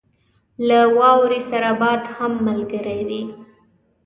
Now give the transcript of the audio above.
له واورې سره باد هم ملګری وو.